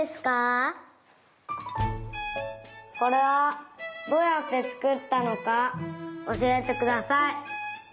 それはどうやってつくったのかおしえてください。